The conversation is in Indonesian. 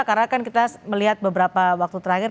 karena kan kita melihat beberapa waktu terakhir